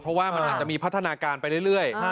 เพราะว่ามันอาจจะมีพัฒนาการไปเรื่อย